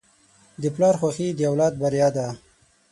د پلار خوښي د اولاد بریا ده.